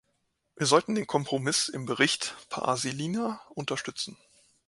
Wir sollten den Kompromiss im Bericht Paasilinna unterstützen.